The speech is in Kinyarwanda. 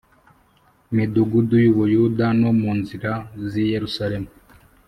midugudu y u Buyuda no mu nzira z i Yerusalemu